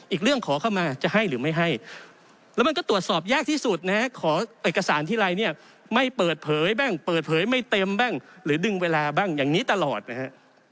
อีกเรื่องขอเข้ามาจะให้หรือไม่ให้แล้วมันก็ตรวจสอบยากที่สุดนะฮะขอเอกสารทีไรเนี่ยไม่เปิดเผยบ้างเปิดเผยไม่เต็มบ้างหรือดึงเวลาบ้างอย่างนี้ตลอดนะฮะ